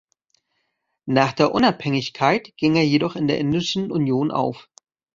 Nach der Unabhängigkeit ging er jedoch in der Indischen Union auf.